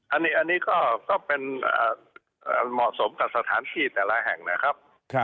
อันนี้ก็เป็นเหมาะสมกับสถานที่แต่ละแห่งนะครับ